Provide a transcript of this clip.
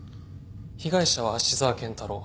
被害者は芦沢健太郎。